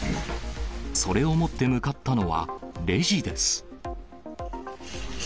それを持って向かったのは、レジです。